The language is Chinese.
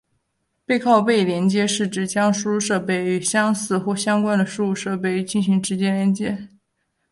背靠背连接是指将输出设备与相似或相关的输入设备进行直接连接。